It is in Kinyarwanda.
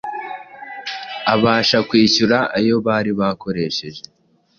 abasha kwishyura ayo nbari bakoresheje